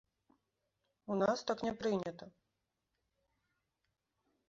У нас так не прынята!